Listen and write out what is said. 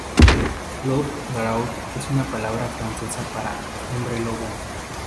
Loup-Garou es la palabra francesa para "hombre lobo".